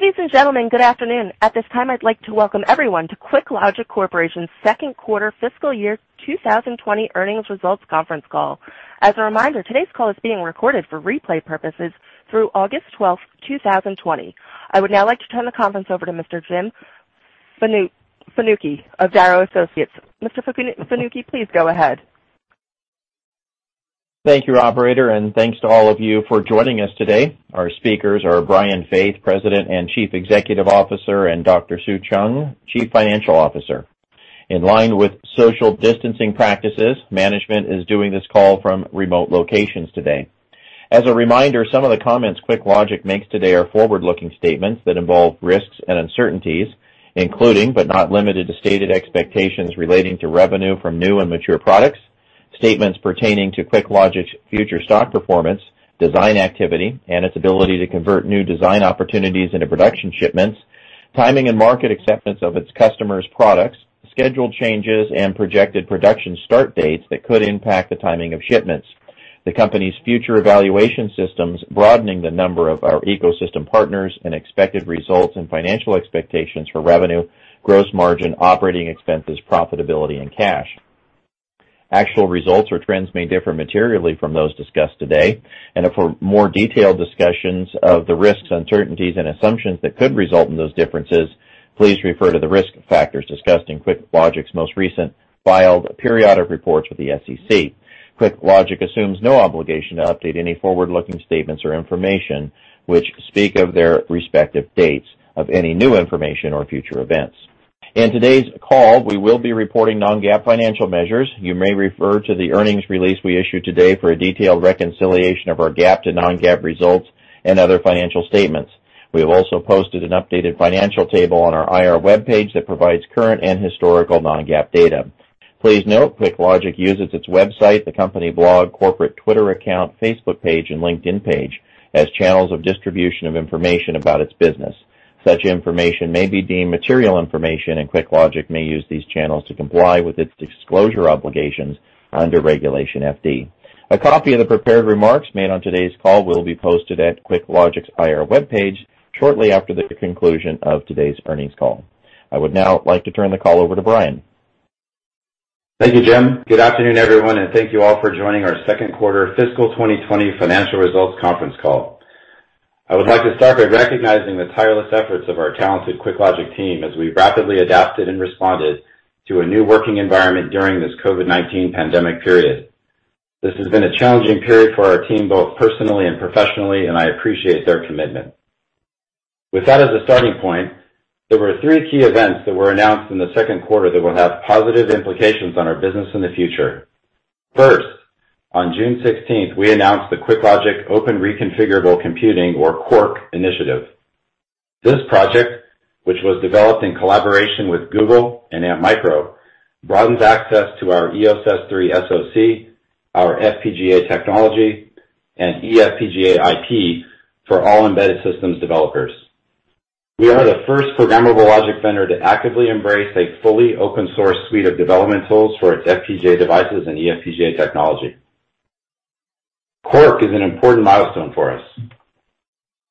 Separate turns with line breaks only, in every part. Ladies and gentlemen, good afternoon. At this time, I'd like to welcome everyone to QuickLogic Corporation's Second Quarter Fiscal Year 2020 Earnings Results Conference Call. As a reminder, today's call is being recorded for replay purposes through August 12th, 2020. I would now like to turn the conference over to Mr. Jim Fanucchi of Darrow Associates. Mr. Fanucchi, please go ahead.
Thank you, operator, and thanks to all of you for joining us today. Our speakers are Brian Faith, President and Chief Executive Officer, and Dr. Sue Cheung, Chief Financial Officer. In line with social distancing practices, management is doing this call from remote locations today. As a reminder, some of the comments QuickLogic makes today are forward-looking statements that involve risks and uncertainties, including but not limited to stated expectations relating to revenue from new and mature products, statements pertaining to QuickLogic's future stock performance, design activity, and its ability to convert new design opportunities into production shipments, timing and market acceptance of its customers' products, scheduled changes and projected production start dates that could impact the timing of shipments, the company's future evaluation systems, broadening the number of our ecosystem partners, and expected results and financial expectations for revenue, gross margin, operating expenses, profitability, and cash. Actual results or trends may differ materially from those discussed today. For more detailed discussions of the risks, uncertainties, and assumptions that could result in those differences, please refer to the risk factors discussed in QuickLogic's most recent filed periodic reports with the SEC. QuickLogic assumes no obligation to update any forward-looking statements or information, which speak of their respective dates of any new information or future events. In today's call, we will be reporting non-GAAP financial measures. You may refer to the earnings release we issued today for a detailed reconciliation of our GAAP to non-GAAP results and other financial statements. We have also posted an updated financial table on our IR webpage that provides current and historical non-GAAP data. Please note, QuickLogic uses its website, the company blog, corporate Twitter account, Facebook page, and LinkedIn page as channels of distribution of information about its business. Such information may be deemed material information, and QuickLogic may use these channels to comply with its disclosure obligations under Regulation FD. A copy of the prepared remarks made on today's call will be posted at QuickLogic's IR webpage shortly after the conclusion of today's earnings call. I would now like to turn the call over to Brian.
Thank you, Jim. Good afternoon, everyone, and thank you all for joining our second quarter fiscal 2020 financial results conference call. I would like to start by recognizing the tireless efforts of our talented QuickLogic team as we rapidly adapted and responded to a new working environment during this COVID-19 pandemic period. This has been a challenging period for our team, both personally and professionally, and I appreciate their commitment. With that as a starting point, there were three key events that were announced in the second quarter that will have positive implications on our business in the future. First, on June 16th 2020, we announced the QuickLogic Open Reconfigurable Computing, or QORC, initiative. This project, which was developed in collaboration with Google and Antmicro, broadens access to our EOS S3 SoC, our FPGA technology, and eFPGA IP for all embedded systems developers. We are the first programmable logic vendor to actively embrace a fully open source suite of development tools for its FPGA devices and eFPGA technology. QORC is an important milestone for us.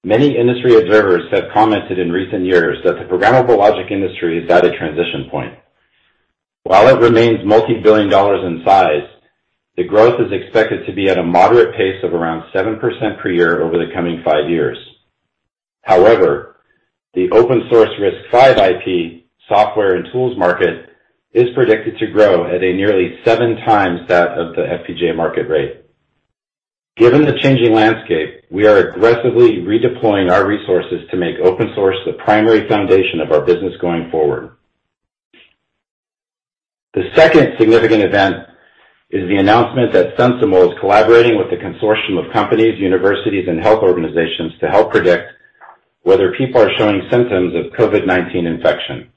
Many industry observers have commented in recent years that the programmable logic industry is at a transition point. While it remains multi-billion dollars in size, the growth is expected to be at a moderate pace of around 7% per year over the coming five years. However, the open source RISC-V IP, software, and tools market is predicted to grow at a nearly seven times that of the FPGA market rate. Given the changing landscape, we are aggressively redeploying our resources to make open source the primary foundation of our business going forward. The second significant event is the announcement that SensiML is collaborating with a consortium of companies, universities, and health organizations to help predict whether people are showing symptoms of COVID-19 infection.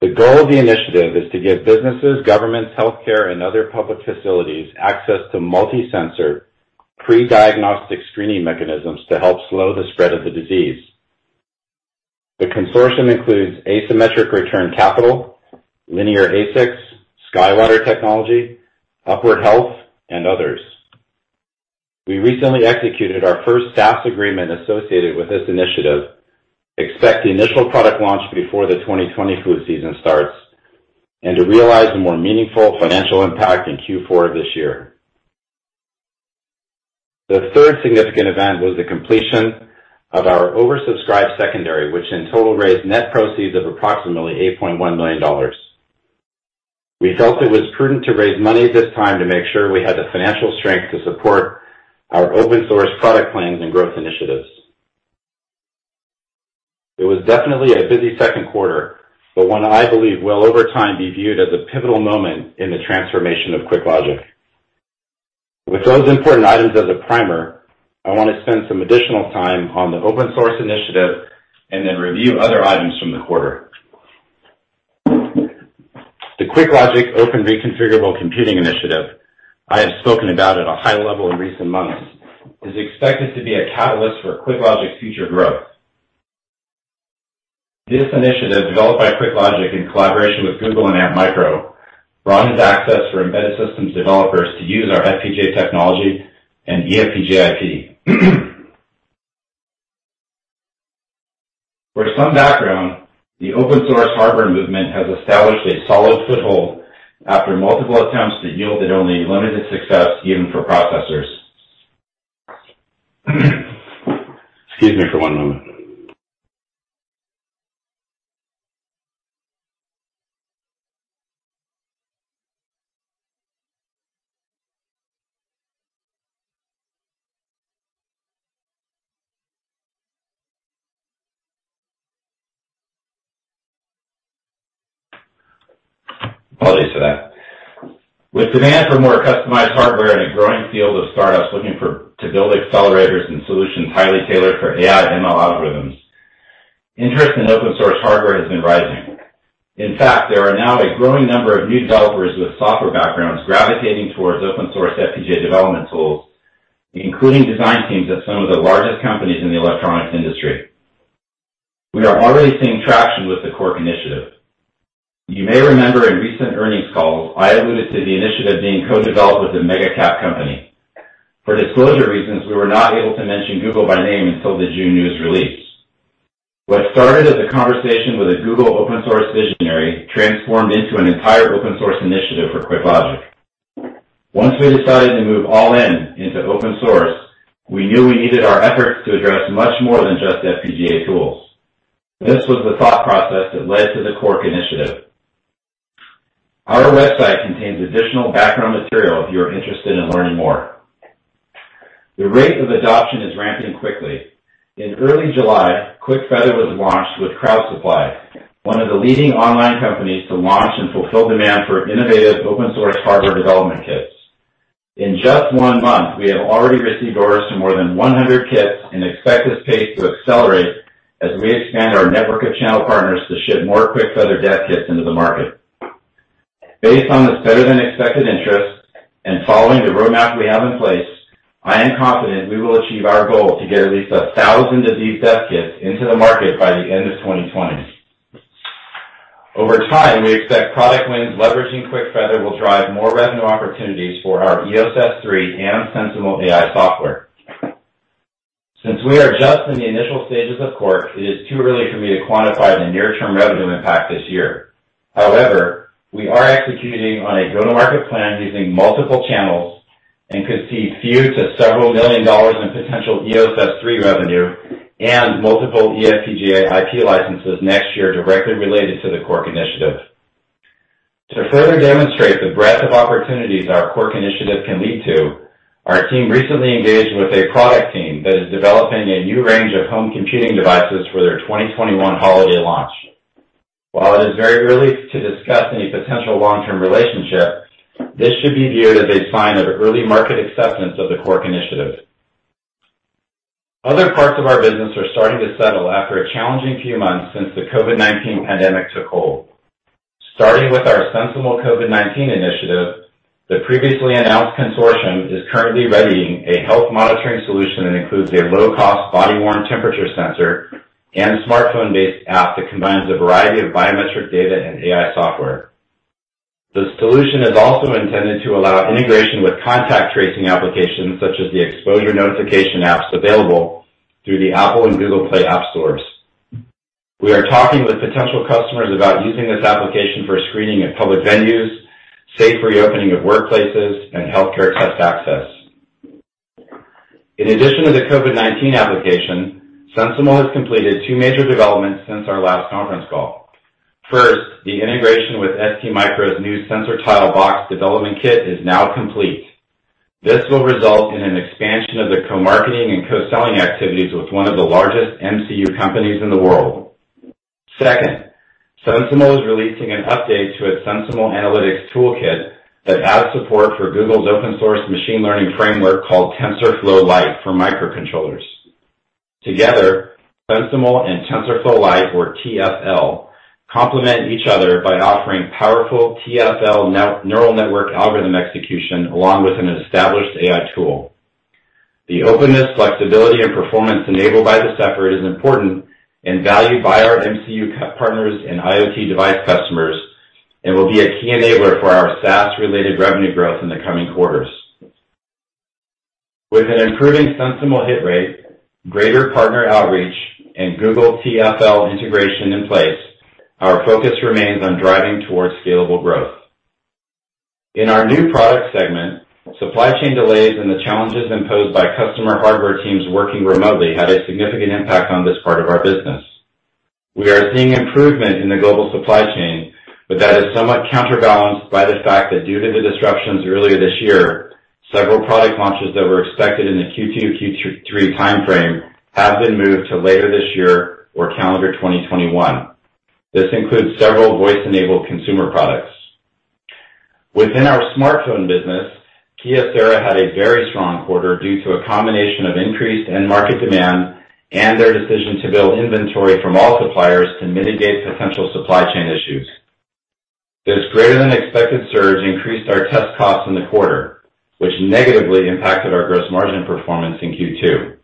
The goal of the initiative is to give businesses, governments, healthcare, and other public facilities access to multi-sensor pre-diagnostic screening mechanisms to help slow the spread of the disease. The consortium includes Asymmetric Return Capital, Linear ASICs, SkyWater Technology, Upward Health, and others. We recently executed our first SaaS agreement associated with this initiative, expect the initial product launch before the 2020 flu season starts, and to realize a more meaningful financial impact in Q4 of this year. The third significant event was the completion of our oversubscribed secondary, which in total raised net proceeds of approximately $8.1 million. We felt it was prudent to raise money at this time to make sure we had the financial strength to support our open source product plans and growth initiatives. It was definitely a busy second quarter, but one I believe will over time be viewed as a pivotal moment in the transformation of QuickLogic. With those important items as a primer, I want to spend some additional time on the open source initiative and then review other items from the quarter. The QuickLogic Open Reconfigurable Computing initiative I have spoken about at a high level in recent months, is expected to be a catalyst for QuickLogic's future growth. This initiative, developed by QuickLogic in collaboration with Google and Antmicro, broadens access for embedded systems developers to use our FPGA technology and eFPGA IP. For some background, the open source hardware movement has established a solid foothold after multiple attempts that yielded only limited success, even for processors. Excuse me for one moment. Apologies for that. With demand for more customized hardware and a growing field of startups looking to build accelerators and solutions highly tailored for AI and ML algorithms, interest in open source hardware has been rising. There are now a growing number of new developers with software backgrounds gravitating towards open source FPGA development tools, including design teams at some of the largest companies in the electronics industry. We are already seeing traction with the QORC Initiative. You may remember in recent earnings calls, I alluded to the initiative being co-developed with a mega cap company. For disclosure reasons, we were not able to mention Google by name until the June news release. What started as a conversation with a Google open source visionary, transformed into an entire open source initiative for QuickLogic. Once we decided to move all in into open source, we knew we needed our efforts to address much more than just FPGA tools. This was the thought process that led to the QORC Initiative. Our website contains additional background material if you are interested in learning more. The rate of adoption is ramping quickly. In early July, QuickFeather was launched with Crowd Supply, one of the leading online companies to launch and fulfill demand for innovative open source hardware development kits. In just one month, we have already received orders to more than 100 kits and expect this pace to accelerate as we expand our network of channel partners to ship more QuickFeather dev kits into the market. Based on this better-than-expected interest and following the roadmap we have in place, I am confident we will achieve our goal to get at least 1,000 of these dev kits into the market by the end of 2020. Over time, we expect product wins leveraging QuickFeather will drive more revenue opportunities for our EOS S3 and SensiML AI software. Since we are just in the initial stages of QORC, it is too early for me to quantify the near-term revenue impact this year. However, we are executing on a go-to-market plan using multiple channels and could see few to several million dollars in potential EOS S3 revenue and multiple eFPGA IP licenses next year directly related to the QORC Initiative. To further demonstrate the breadth of opportunities our QORC Initiative can lead to, our team recently engaged with a product team that is developing a new range of home computing devices for their 2021 holiday launch. While it is very early to discuss any potential long-term relationship, this should be viewed as a sign of early market acceptance of the QORC Initiative. Other parts of our business are starting to settle after a challenging few months since the COVID-19 pandemic took hold. Starting with our SensiML COVID-19 initiative, the previously announced consortium is currently readying a health monitoring solution that includes a low-cost body-worn temperature sensor and smartphone-based app that combines a variety of biometric data and AI software. The solution is also intended to allow integration with contact tracing applications such as the exposure notification apps available through the Apple and Google Play app stores. We are talking with potential customers about using this application for screening at public venues, safe reopening of workplaces, and healthcare test access. In addition to the COVID-19 application, SensiML has completed two major developments since our last conference call. First, the integration with STMicroelectronics' new SensorTile.box development kit is now complete. This will result in an expansion of the co-marketing and co-selling activities with one of the largest MCU companies in the world. Second, SensiML is releasing an update to its SensiML Analytics Toolkit that adds support for Google's open source machine learning framework called TensorFlow Lite for microcontrollers. Together, SensiML and TensorFlow Lite, or TFL, complement each other by offering powerful TFL neural network algorithm execution along with an established AI tool. The openness, flexibility and performance enabled by this effort is important and valued by our MCU partners and IoT device customers, and will be a key enabler for our SaaS-related revenue growth in the coming quarters. With an improving SensiML hit rate, greater partner outreach, and Google TFL integration in place, our focus remains on driving towards scalable growth. In our new product segment, supply chain delays and the challenges imposed by customer hardware teams working remotely had a significant impact on this part of our business. We are seeing improvement in the global supply chain, but that is somewhat counterbalanced by the fact that due to the disruptions earlier this year, several product launches that were expected in the Q2, Q3 timeframe have been moved to later this year or calendar 2021. This includes several voice-enabled consumer products. Within our smartphone business, Kyocera had a very strong quarter due to a combination of increased end market demand and their decision to build inventory from all suppliers to mitigate potential supply chain issues. This greater than expected surge increased our test costs in the quarter, which negatively impacted our gross margin performance in Q2.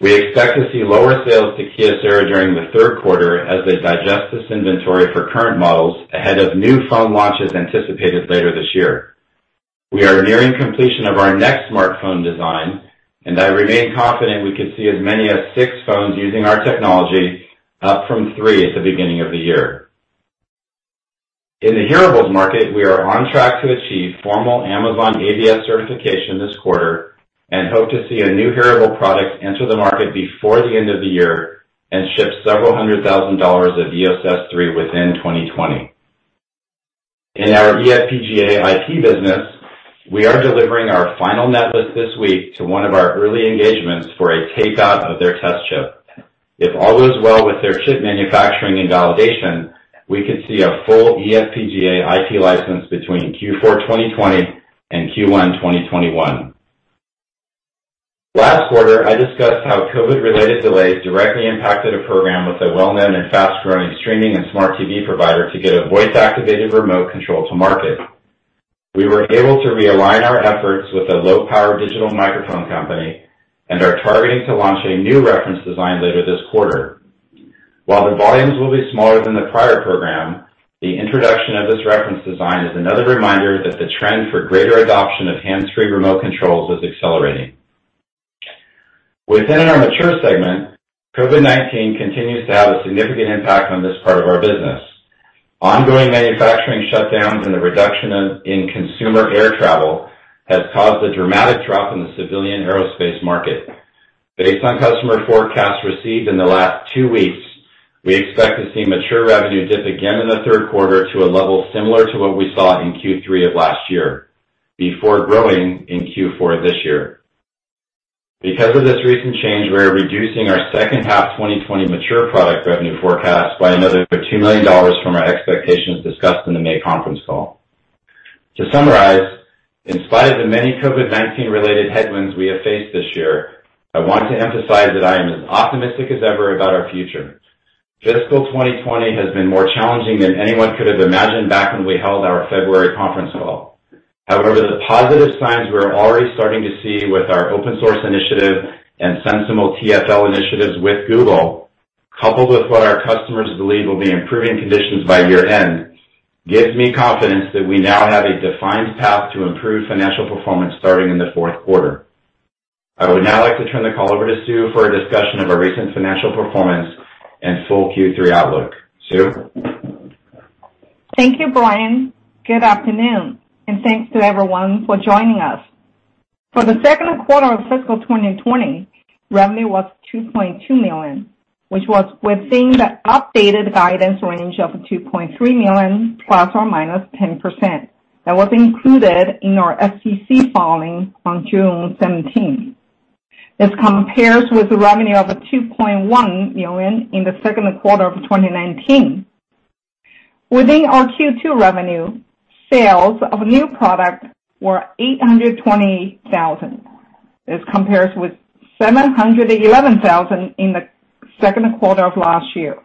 We expect to see lower sales to Kyocera during the third quarter as they digest this inventory for current models ahead of new phone launches anticipated later this year. We are nearing completion of our next smartphone design, and I remain confident we could see as many as six phones using our technology, up from three at the beginning of the year. In the hearables market, we are on track to achieve formal Amazon AVS certification this quarter and hope to see a new hearable product enter the market before the end of the year and ship several hundred thousand dollars of EOS S3 within 2020. In our eFPGA IP business, we are delivering our final netlist this week to one of our early engagements for a tape-out of their test chip. If all goes well with their chip manufacturing and validation, we could see a full eFPGA IP license between Q4 2020 and Q1 2021. Last quarter, I discussed how COVID-related delays directly impacted a program with a well-known and fast-growing streaming and smart TV provider to get a voice-activated remote control to market. We were able to realign our efforts with a low-power digital microphone company and are targeting to launch a new reference design later this quarter. While the volumes will be smaller than the prior program, the introduction of this reference design is another reminder that the trend for greater adoption of hands-free remote controls is accelerating. Within our mature segment, COVID-19 continues to have a significant impact on this part of our business. Ongoing manufacturing shutdowns and the reduction in consumer air travel has caused a dramatic drop in the civilian aerospace market. Based on customer forecasts received in the last two weeks, we expect to see mature revenue dip again in the third quarter to a level similar to what we saw in Q3 of last year, before growing in Q4 this year. Because of this recent change, we're reducing our second-half 2020 mature product revenue forecast by another $2 million from our expectations discussed in the May conference call. To summarize, in spite of the many COVID-19 related headwinds we have faced this year, I want to emphasize that I am as optimistic as ever about our future. Fiscal 2020 has been more challenging than anyone could have imagined back when we held our February conference call. The positive signs we're already starting to see with our open source initiative and SensiML TFL initiatives with Google, coupled with what our customers believe will be improving conditions by year-end, gives me confidence that we now have a defined path to improve financial performance starting in the fourth quarter. I would now like to turn the call over to Sue for a discussion of our recent financial performance and full Q3 outlook. Sue?
Thank you, Brian. Good afternoon, and thanks to everyone for joining us. For the second quarter of fiscal 2020, revenue was $2.2 million, which was within the updated guidance range of $2.3 million, ±10%, that was included in our SEC filing on June 17th. This compares with revenue of $2.1 million in the second quarter of 2019. Within our Q2 revenue, sales of new product were $820,000. This compares with $711,000 in the second quarter of last year.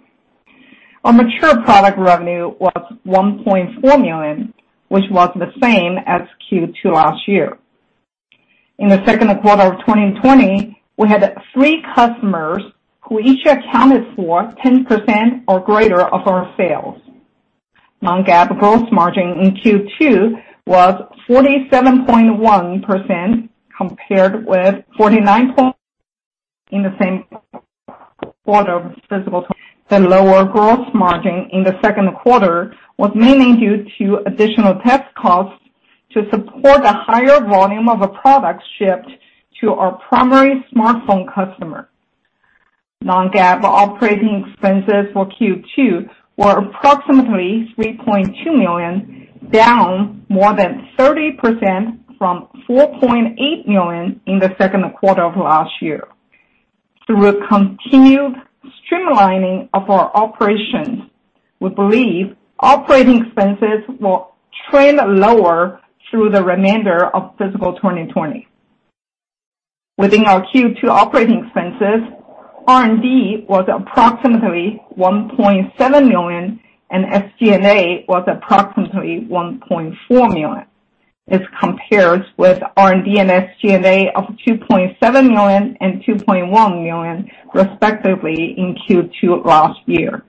Our mature product revenue was $1.4 million, which was the same as Q2 last year. In the second quarter of 2020, we had three customers who each accounted for 10% or greater of our sales. Non-GAAP gross margin in Q2 was 47.1% compared with 49.0% in the same quarter of fiscal. The lower gross margin in the second quarter was mainly due to additional test costs to support the higher volume of products shipped to our primary smartphone customer. Non-GAAP operating expenses for Q2 were approximately $3.2 million, down more than 30% from $4.8 million in the second quarter of last year. Through a continued streamlining of our operations, we believe operating expenses will trend lower through the remainder of fiscal 2020. Within our Q2 operating expenses, R&D was approximately $1.7 million, and SG&A was approximately $1.4 million. This compares with R&D and SG&A of $2.7 million and $2.1 million, respectively, in Q2 of last year.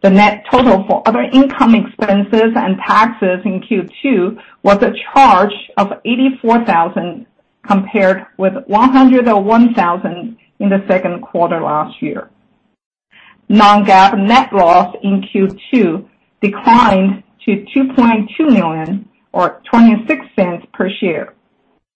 The net total for other income expenses and taxes in Q2 was a charge of $84,000, compared with $101,000 in the second quarter last year. Non-GAAP net loss in Q2 declined to $2.2 million or $0.26 per share.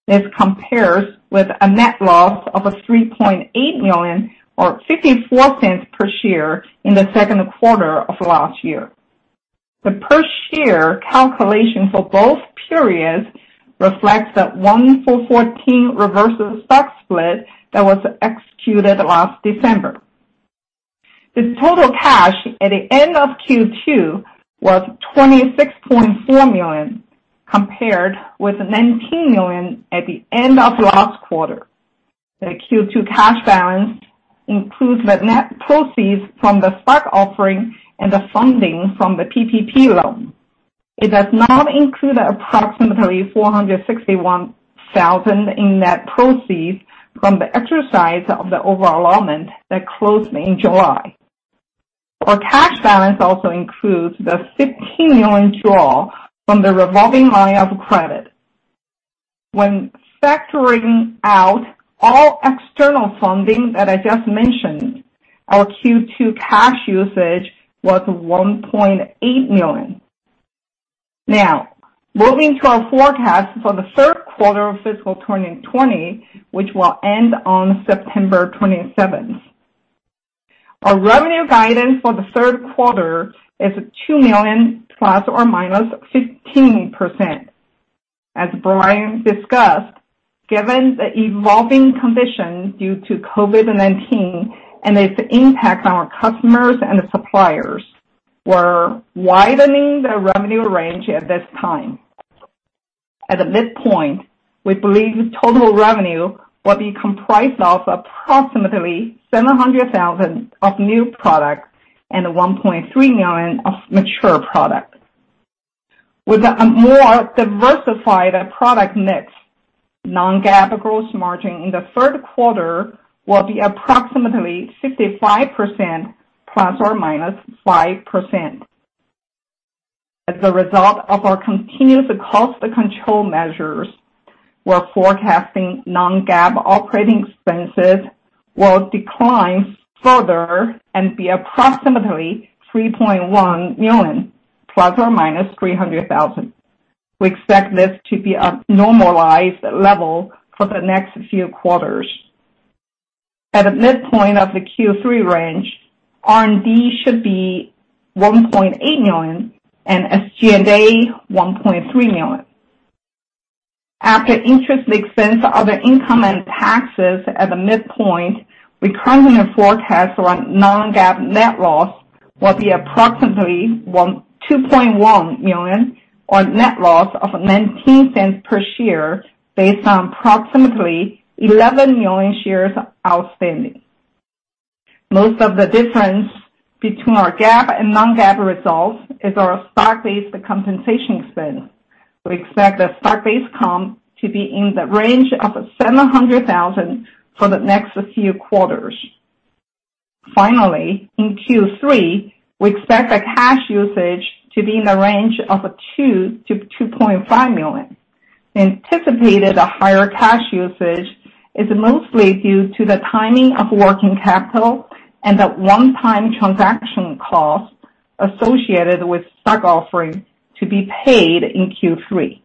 This compares with a net loss of $3.8 million or $0.54 per share in the second quarter of last year. The per-share calculation for both periods reflects the 1-for-14 reverse stock split that was executed last December. The total cash at the end of Q2 was $26.4 million, compared with $19 million at the end of last quarter. The Q2 cash balance includes the net proceeds from the stock offering and the funding from the PPP loan. It does not include approximately $461,000 in net proceeds from the exercise of the over-allotment that closed in July. Our cash balance also includes the $15 million draw from the revolving line of credit. When factoring out all external funding that I just mentioned, our Q2 cash usage was $1.8 million. Moving to our forecast for the third quarter of fiscal 2020, which will end on September 27th. Our revenue guidance for the third quarter is $2 million, ±15%. As Brian discussed, given the evolving conditions due to COVID-19 and its impact on our customers and the suppliers, we're widening the revenue range at this time. At the midpoint, we believe total revenue will be comprised of approximately $700,000 of new products and $1.3 million of mature products. With a more diversified product mix, non-GAAP gross margin in the third quarter will be approximately 65%, ±5%. As a result of our continuous cost control measures, we're forecasting non-GAAP operating expenses will decline further and be approximately $3.1 million, ±$300,000. We expect this to be a normalized level for the next few quarters. At the midpoint of the Q3 range, R&D should be $1.8 million, and SG&A $1.3 million. After interest expense, other income and taxes at the midpoint, we currently forecast our non-GAAP net loss will be approximately $2.1 million, or net loss of $0.19 per share based on approximately 11 million shares outstanding. Most of the difference between our GAAP and non-GAAP results is our stock-based compensation expense. We expect the stock-based comp to be in the range of $700,000 for the next few quarters. Finally, in Q3, we expect the cash usage to be in the range of $2 million-$2.5 million. The anticipated higher cash usage is mostly due to the timing of working capital and the one-time transaction cost associated with stock offering to be paid in Q3.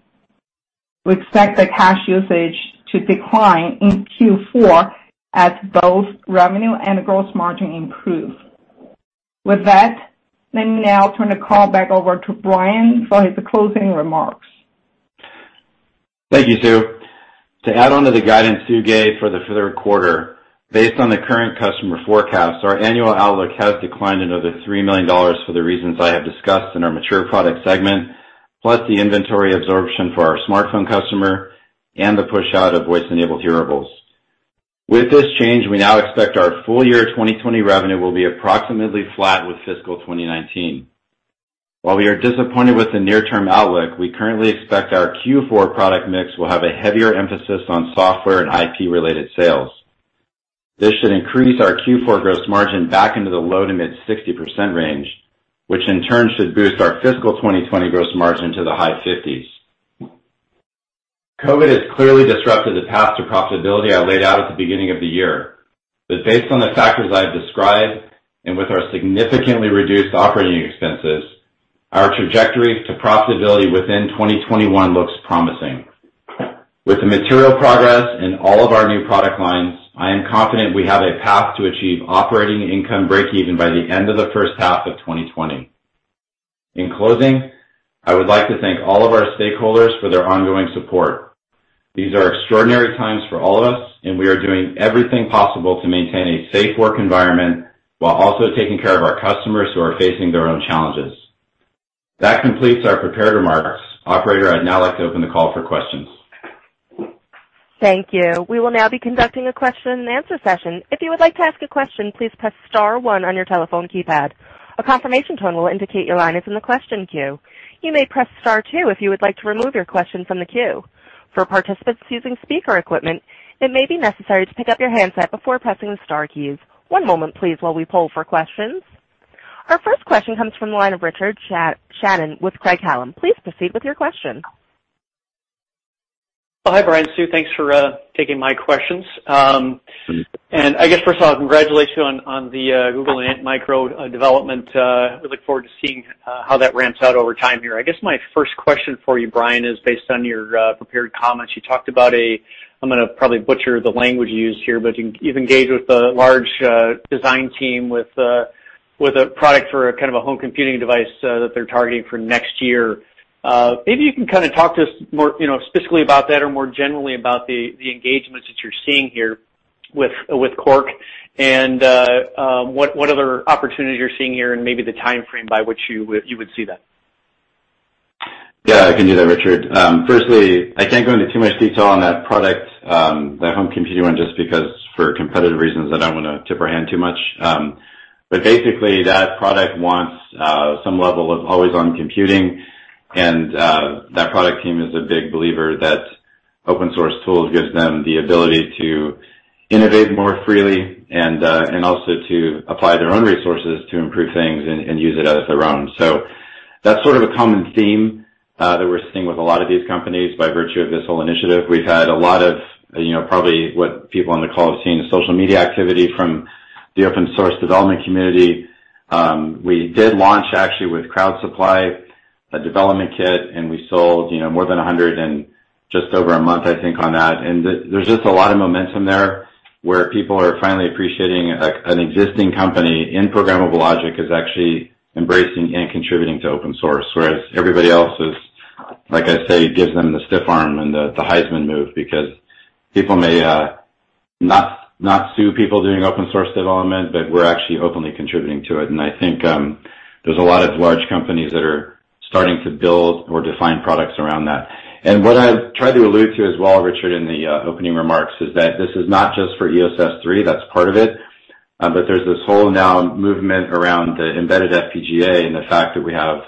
We expect the cash usage to decline in Q4 as both revenue and gross margin improve. With that, let me now turn the call back over to Brian for his closing remarks.
Thank you, Sue. To add on to the guidance Sue gave for the third quarter, based on the current customer forecast, our annual outlook has declined another $3 million for the reasons I have discussed in our mature product segment, plus the inventory absorption for our smartphone customer and the pushout of voice-enabled hearables. With this change, we now expect our full year 2020 revenue will be approximately flat with fiscal 2019. While we are disappointed with the near-term outlook, we currently expect our Q4 product mix will have a heavier emphasis on software and IP-related sales. This should increase our Q4 gross margin back into the low to mid 60% range, which in turn should boost our fiscal 2020 gross margin to the high 50s%. COVID has clearly disrupted the path to profitability I laid out at the beginning of the year. Based on the factors I have described, and with our significantly reduced operating expenses, our trajectory to profitability within 2021 looks promising. With the material progress in all of our new product lines, I am confident we have a path to achieve operating income breakeven by the end of the first half of 2020. In closing, I would like to thank all of our stakeholders for their ongoing support. These are extraordinary times for all of us, and we are doing everything possible to maintain a safe work environment while also taking care of our customers who are facing their own challenges. That completes our prepared remarks. Operator, I'd now like to open the call for questions.
Thank you. We will now be conducting a question and answer session. If you would like to ask a question, please press star one on your telephone keypad. A confirmation tone will indicate your line is in the question queue. You may press star two if you would like to remove your question from the queue. For participants using speaker equipment, it may be necessary to pick up your handset before pressing the star keys. One moment, please, while we poll for questions. Our first question comes from the line of Richard Shannon with Craig-Hallum. Please proceed with your question.
Hi, Brian, Sue, thanks for taking my questions. I guess first of all, congratulations on the Google and Antmicro development. We look forward to seeing how that ramps out over time here. I guess my first question for you, Brian, is based on your prepared comments. You talked about a, I'm going to probably butcher the language you used here, but you've engaged with a large design team with a product for a home computing device that they're targeting for next year. Maybe you can kind of talk to us more specifically about that or more generally about the engagements that you're seeing here with QORC and what other opportunities you're seeing here and maybe the timeframe by which you would see that.
I can do that, Richard. Firstly, I can't go into too much detail on that product, that home computing one, just because for competitive reasons, I don't want to tip our hand too much. Basically, that product wants some level of always-on computing, and that product team is a big believer that open source tools gives them the ability to innovate more freely and also to apply their own resources to improve things and use it as their own. That's sort of a common theme that we're seeing with a lot of these companies by virtue of this whole initiative. We've had a lot of, probably what people on the call have seen, the social media activity from the open source development community. We did launch actually with Crowd Supply, a development kit. We sold more than 100 in just over a month, I think on that. There's just a lot of momentum there where people are finally appreciating an existing company in programmable logic is actually embracing and contributing to open source, whereas everybody else is, like I say, gives them the stiff arm and the Heisman move because people may not sue people doing open source development, but we're actually openly contributing to it. I think there's a lot of large companies that are starting to build or define products around that. What I tried to allude to as well, Richard, in the opening remarks, is that this is not just for EOS S3, that's part of it. There's this whole now movement around the embedded FPGA and the fact that we have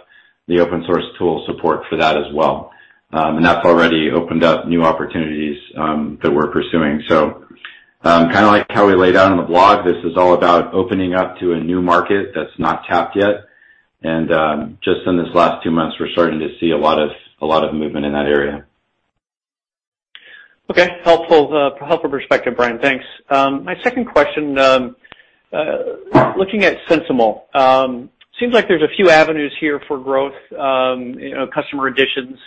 the open source tool support for that as well. That's already opened up new opportunities that we're pursuing. Kind of like how we laid out on the blog, this is all about opening up to a new market that's not tapped yet. Just in these last two months, we're starting to see a lot of movement in that area.
Okay. Helpful perspective, Brian. Thanks. My second question, looking at SensiML. Seems like there's a few avenues here for growth, customer additions.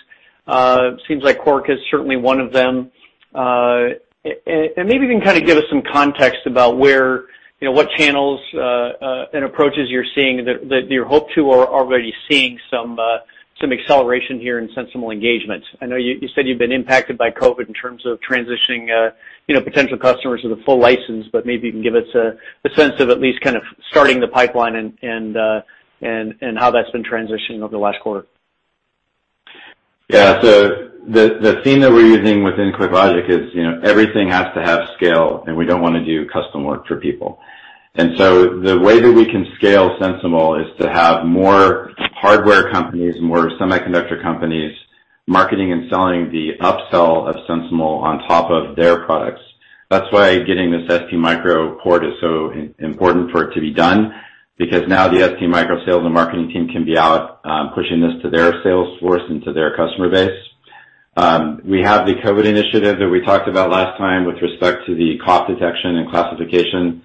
Seems like QORC is certainly one of them. Maybe you can kind of give us some context about what channels and approaches you're seeing that you hope to or already seeing some acceleration here in SensiML engagement. I know you said you've been impacted by COVID-19 in terms of transitioning potential customers to the full license, but maybe you can give us a sense of at least kind of starting the pipeline and how that's been transitioning over the last quarter.
The theme that we're using within QuickLogic is everything has to have scale, and we don't want to do custom work for people. The way that we can scale SensiML is to have more hardware companies, more semiconductor companies, marketing and selling the upsell of SensiML on top of their products. That's why getting this STMicroelectronics port is so important for it to be done, because now the STMicroelectronics sales and marketing team can be out pushing this to their sales force and to their customer base. We have the COVID-19 initiative that we talked about last time with respect to the cough detection and classification.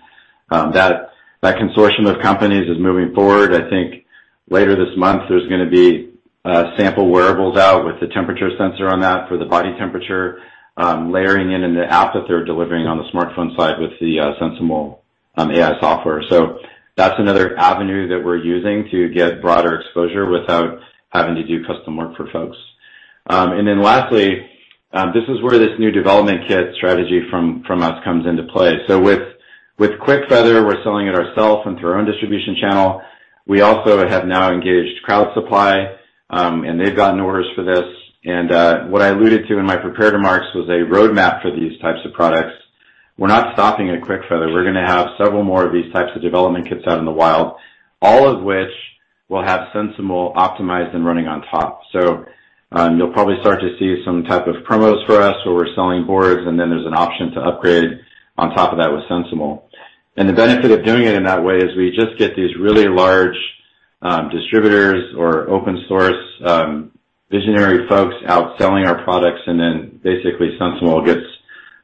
That consortium of companies is moving forward. I think later this month, there's going to be sample wearables out with the temperature sensor on that for the body temperature, layering it in the app that they're delivering on the smartphone side with the SensiML AI software. That's another avenue that we're using to get broader exposure without having to do custom work for folks. Lastly, this is where this new development kit strategy from us comes into play. With QuickFeather, we're selling it ourself and through our own distribution channel. We also have now engaged Crowd Supply, and they've gotten orders for this. What I alluded to in my prepared remarks was a roadmap for these types of products. We're not stopping at QuickFeather. We're going to have several more of these types of development kits out in the wild, all of which will have SensiML optimized and running on top. You'll probably start to see some type of promos for us where we're selling boards, and then there's an option to upgrade on top of that with SensiML. The benefit of doing it in that way is we just get these really large distributors or open source visionary folks out selling our products, and then basically SensiML gets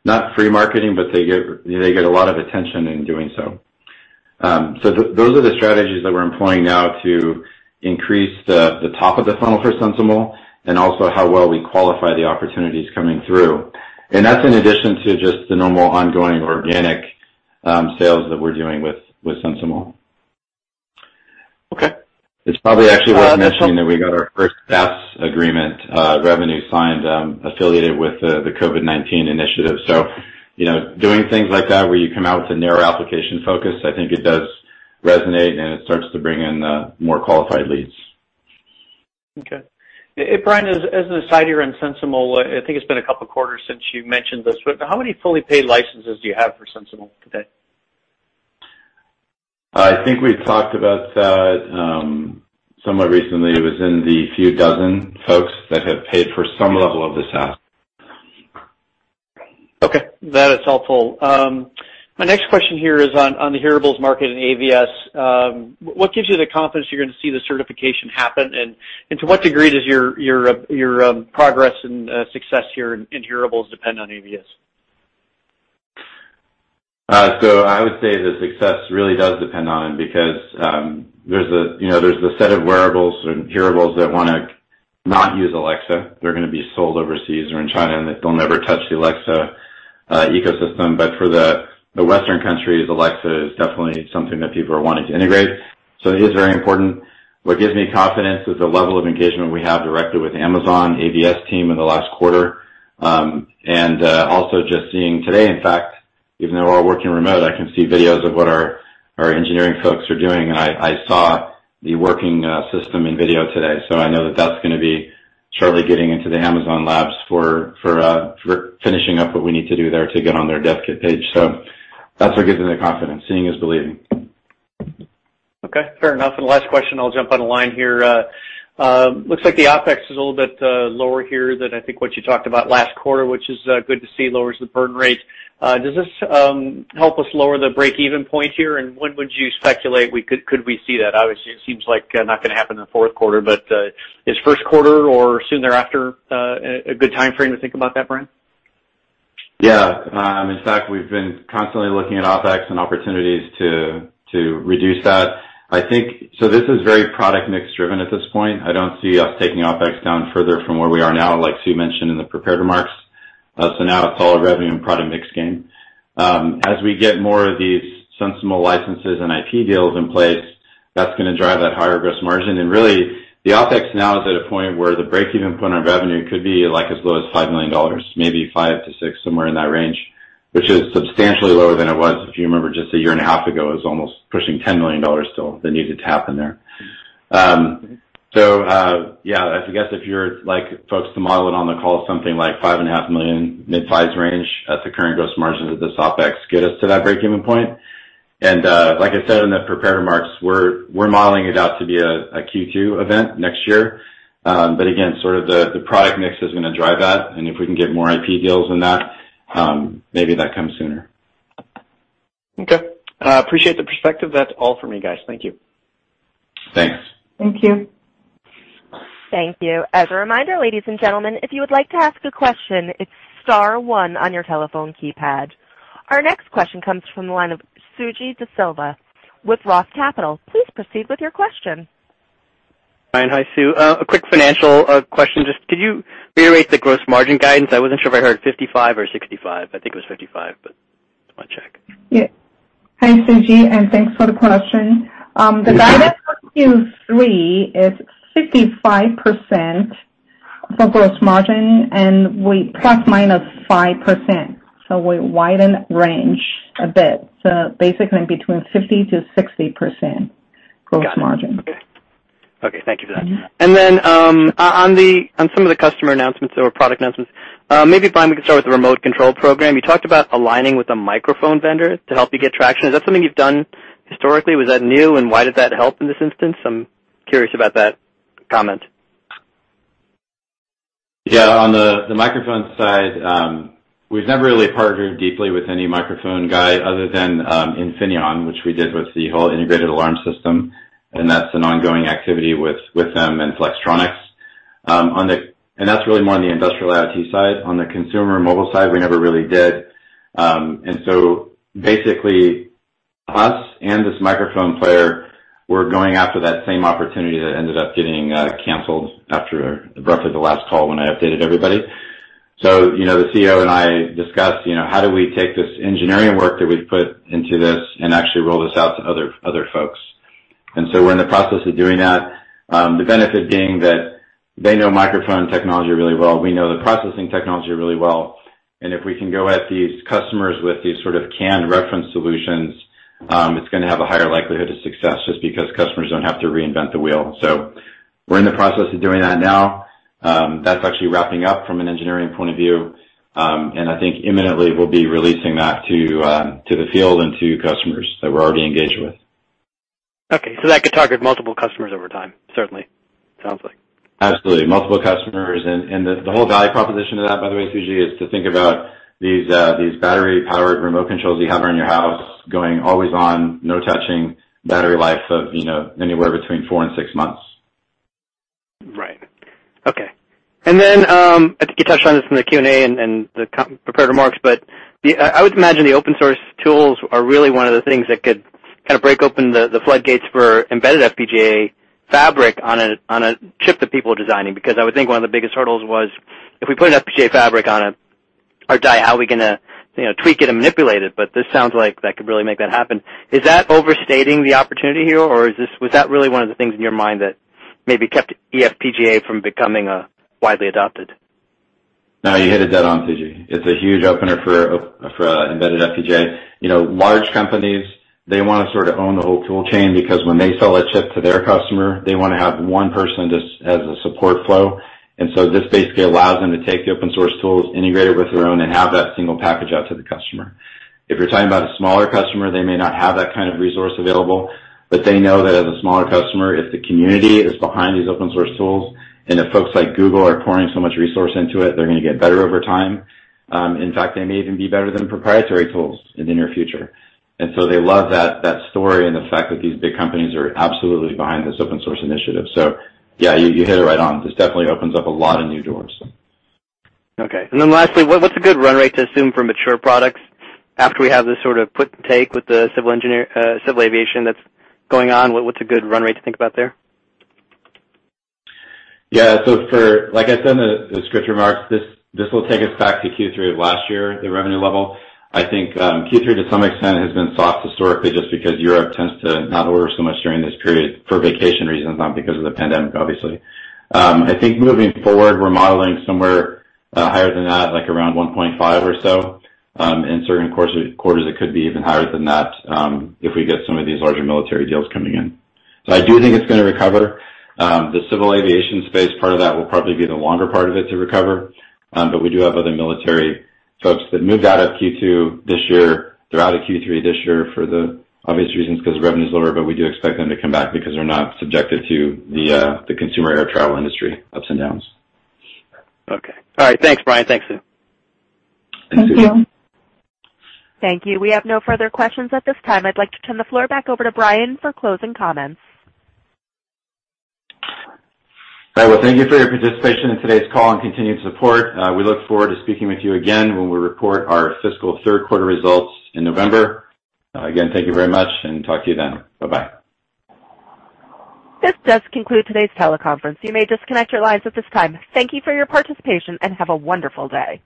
not free marketing, but they get a lot of attention in doing so. Those are the strategies that we're employing now to increase the top of the funnel for SensiML and also how well we qualify the opportunities coming through. That's in addition to just the normal ongoing organic sales that we're doing with SensiML.
Okay.
It's probably actually worth mentioning that we got our first SaaS agreement revenue signed, affiliated with the COVID-19 initiative. Doing things like that where you come out with a narrow application focus, I think it does resonate, and it starts to bring in more qualified leads.
Okay. Brian, as an aside here on SensiML, I think it's been a couple of quarters since you mentioned this. How many fully paid licenses do you have for SensiML today?
I think we talked about that somewhat recently. It was in the few dozen folks that have paid for some level of the SaaS.
Okay. That is helpful. My next question here is on the hearables market and AVS. What gives you the confidence you're going to see the certification happen, and to what degree does your progress and success here in hearables depend on AVS?
I would say the success really does depend on it because there's the set of wearables or hearables that want to not use Alexa. They're going to be sold overseas or in China, and they'll never touch the Alexa ecosystem. For the Western countries, Alexa is definitely something that people are wanting to integrate. It is very important. What gives me confidence is the level of engagement we have directly with Amazon AVS team in the last quarter. Just seeing today, in fact. Even though we're all working remote, I can see videos of what our engineering folks are doing, and I saw the working system in video today. I know that that's going to be shortly getting into the Amazon labs for finishing up what we need to do there to get on their dev kit page. That's what gives me the confidence. Seeing is believing.
Okay, fair enough. Last question, I'll jump on the line here. Looks like the OpEx is a little bit lower here than I think what you talked about last quarter, which is good to see, lowers the burn rate. Does this help us lower the break-even point here? When would you speculate could we see that? Obviously, it seems like not going to happen in the fourth quarter, but is first quarter or soon thereafter a good timeframe to think about that, Brian?
Yeah. In fact, we've been constantly looking at OpEx and opportunities to reduce that. This is very product mix driven at this point. I don't see us taking OpEx down further from where we are now, like Sue mentioned in the prepared remarks. Now it's all a revenue and product mix game. As we get more of these SensiML licenses and IP deals in place, that's going to drive that higher gross margin. Really, the OpEx now is at a point where the break-even point on revenue could be as low as $5 million, maybe $5 million-$6 million, somewhere in that range, which is substantially lower than it was, if you remember, just a year and a half ago, it was almost pushing $10 million still that needed to happen there. Yeah, I guess if you're like folks to model it on the call, something like $5.5 million, mid-fives range at the current gross margins of this OpEx get us to that break-even point. Like I said in the prepared remarks, we're modeling it out to be a Q2 event next year. Again, sort of the product mix is going to drive that, and if we can get more IP deals than that, maybe that comes sooner.
Okay. Appreciate the perspective. That's all for me, guys. Thank you.
Thanks.
Thank you.
Thank you. As a reminder, ladies and gentlemen, if you would like to ask a question, it's star one on your telephone keypad. Our next question comes from the line of Suji Desilva with Roth Capital Partners. Please proceed with your question.
Brian, hi, Sue. A quick financial question. Just could you reiterate the gross margin guidance? I wasn't sure if I heard 55% or 65%. I think it was 55%, but just want to check.
Yeah. Hi, Suji, and thanks for the question. The guidance for Q3 is 65% for gross margin, and we ±5%. We widen range a bit. Basically between 50%-60% gross margin.
Got it. Okay. Thank you for that. On some of the customer announcements or product announcements, maybe, Brian, we can start with the remote control program. You talked about aligning with a microphone vendor to help you get traction. Is that something you've done historically? Was that new, and why did that help in this instance? I'm curious about that comment.
Yeah, on the microphone side, we've never really partnered deeply with any microphone guy other than Infineon, which we did with the whole integrated alarm system, and that's an ongoing activity with them and Flextronics. That's really more on the industrial IoT side. On the consumer mobile side, we never really did. Basically, us and this microphone player were going after that same opportunity that ended up getting canceled after roughly the last call when I updated everybody. The CEO and I discussed how do we take this engineering work that we've put into this and actually roll this out to other folks. We're in the process of doing that, the benefit being that they know microphone technology really well, we know the processing technology really well, and if we can go at these customers with these sort of canned reference solutions, it's going to have a higher likelihood of success just because customers don't have to reinvent the wheel. We're in the process of doing that now. That's actually wrapping up from an engineering point of view. I think imminently we'll be releasing that to the field and to customers that we're already engaged with.
Okay, that could target multiple customers over time, certainly, sounds like.
Absolutely. Multiple customers. The whole value proposition to that, by the way, Suji, is to think about these battery-powered remote controls you have around your house going always on, no touching, battery life of anywhere between four and six months.
Right. Okay. I think you touched on this in the Q&A and the prepared remarks, but I would imagine the open source tools are really one of the things that could kind of break open the floodgates for embedded FPGA fabric on a chip that people are designing. I would think one of the biggest hurdles was if we put an FPGA fabric on our die, how are we going to tweak it and manipulate it? This sounds like that could really make that happen. Is that overstating the opportunity here, or was that really one of the things in your mind that maybe kept eFPGA from becoming widely adopted?
No, you hit it dead on, Suji. It's a huge opener for embedded FPGA. Large companies, they want to sort of own the whole tool chain because when they sell a chip to their customer, they want to have one person just as a support flow. This basically allows them to take the open source tools, integrate it with their own, and have that single package out to the customer. If you're talking about a smaller customer, they may not have that kind of resource available, but they know that as a smaller customer, if the community is behind these open source tools, and if folks like Google are pouring so much resource into it, they're going to get better over time. In fact, they may even be better than proprietary tools in the near future. They love that story and the fact that these big companies are absolutely behind this open source initiative. Yeah, you hit it right on. This definitely opens up a lot of new doors.
Okay. Lastly, what's a good run rate to assume for mature products after we have this sort of put and take with the civil aviation that's going on? What's a good run rate to think about there?
Like I said in the script remarks, this will take us back to Q3 of last year, the revenue level. I think Q3 to some extent has been soft historically just because Europe tends to not order so much during this period for vacation reasons, not because of the pandemic, obviously. I think moving forward, we're modeling somewhere higher than that, like around $1.5 or so. In certain quarters, it could be even higher than that if we get some of these larger military deals coming in. I do think it's going to recover. The civil aviation space part of that will probably be the longer part of it to recover, but we do have other military folks that moved out of Q2 this year. They're out of Q3 this year for the obvious reasons, because revenue's lower, but we do expect them to come back because they're not subjected to the consumer air travel industry ups and downs.
Okay. All right. Thanks, Brian. Thanks, Sue.
Thank you.
Thanks, Suji.
Thank you. We have no further questions at this time. I'd like to turn the floor back over to Brian for closing comments.
All right. Well, thank you for your participation in today's call and continued support. We look forward to speaking with you again when we report our fiscal third quarter results in November. Again, thank you very much and talk to you then. Bye-bye.
This does conclude today's teleconference. You may disconnect your lines at this time. Thank you for your participation, and have a wonderful day.